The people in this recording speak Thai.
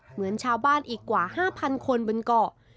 เหมือนชาวบ้านอีกกว่า๕๐๐คนบนเกาะ